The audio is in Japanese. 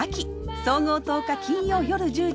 総合１０日金曜夜１０時。